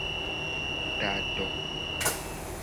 Da do.